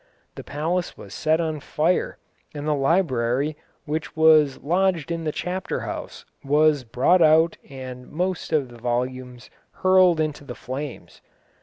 The palace was set on fire, and the library, which was lodged in the Chapter house, was brought out and most of the volumes hurled into the flames.